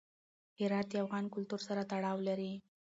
هرات د افغان کلتور سره تړاو لري.